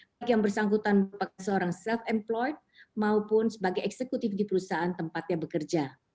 bagi yang bersangkutan sebagai seorang self employed maupun sebagai eksekutif di perusahaan tempatnya bergerak